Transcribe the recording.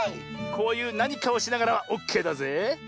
こういうなにかをしながらはオッケーだぜえ。